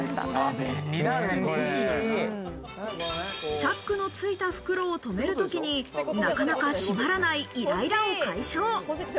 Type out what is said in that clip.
チャックのついた袋をとめる時に、なかなか閉まらないイライラを解消。